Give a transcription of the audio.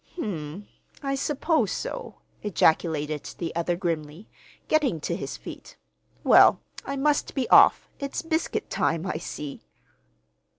"Hm m; I suppose so," ejaculated the other grimly, getting to his feet. "Well, I must be off. It's biscuit time, I see."